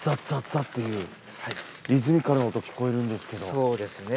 そうですね。